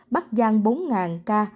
bắc giang bốn ca